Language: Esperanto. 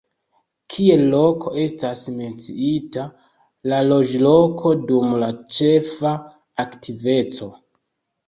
Kiel loko estas menciita la loĝloko dum la ĉefa aktiveco.